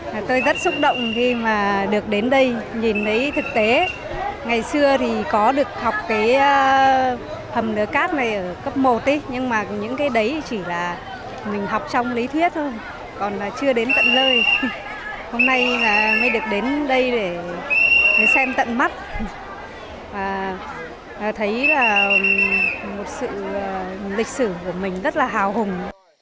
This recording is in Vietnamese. năm nay mới được đến đây để xem tận mắt thấy một sự lịch sử của mình rất là hào hùng